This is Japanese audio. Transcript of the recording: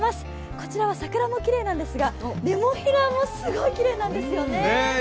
こちらは桜もきれいなんですが、ネモフィラもすごいきれいなんですよね。